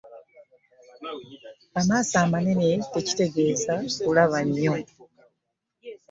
Amaaso amanene tekitegeeza kulaba nnyo.